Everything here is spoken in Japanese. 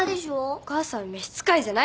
お母さんは召し使いじゃないんだよ。